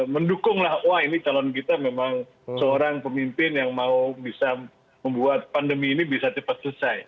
mendukunglah wah ini calon kita memang seorang pemimpin yang mau bisa membuat pandemi ini bisa cepat selesai